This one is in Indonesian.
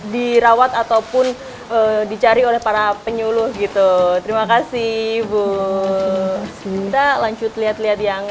dirawat ataupun dicari oleh para penyuluh gitu terima kasih bu kita lanjut lihat lihat yang